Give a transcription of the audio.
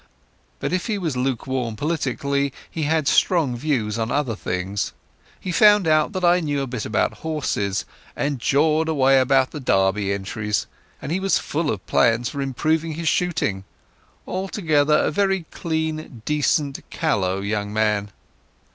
But if he was lukewarm politically he had strong views on other things. He found out I knew a bit about horses, and jawed away about the Derby entries; and he was full of plans for improving his shooting. Altogether, a very clean, decent, callow young man.